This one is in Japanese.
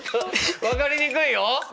分かりにくいよ！